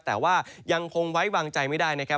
แต่ว่ายังคงไว้วางใจไม่ได้นะครับ